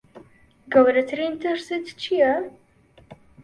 گەورەترین ترست چییە؟